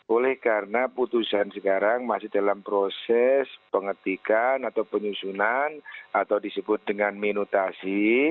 oleh karena putusan sekarang masih dalam proses pengetikan atau penyusunan atau disebut dengan minutasi